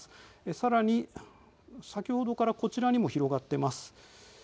さらに先ほどからこちらにも広がっています。